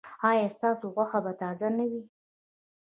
ایا ستاسو غوښه به تازه نه وي؟